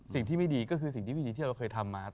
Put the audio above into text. สิ่งที่ไม่ดีก็คือสิ่งที่ไม่ดีที่เราเคยทำมา